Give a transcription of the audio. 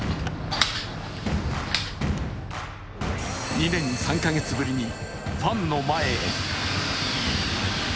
２年３か月ぶりにファンの前へ。